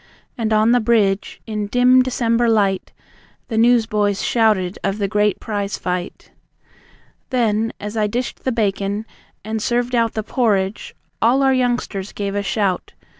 And on the bridge, in dim December light, The newsboys shouted of the great prize fight. Then, as I dished the bacon, and served out The porridge, all our youngsters gave a shout.